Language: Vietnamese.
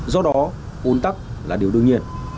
do đó uống tắc là điều đương nhiên